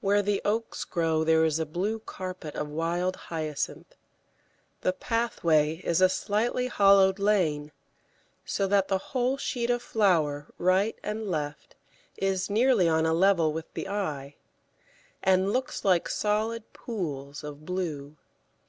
Where the oaks grow there is a blue carpet of wild Hyacinth; the pathway is a slightly hollowed lane, so that the whole sheet of flower right and left is nearly on a level with the eye, and looks like solid pools of blue.